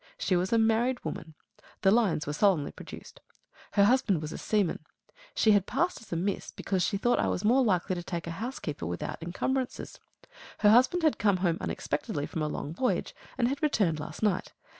She was a married woman. The lines were solemnly produced. Her husband was a seaman. She had passed as a miss, because she thought I was more likely to take a housekeeper without encumbrances. Her husband had come home unexpectedly from a long voyage, and had returned last night.